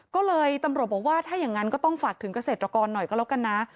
ก็เลยตำรวจบอกว่าถ้าอย่างนั้นก็ต้องฝากถึงเกษตรกรหน่อยก็แล้วกันนะ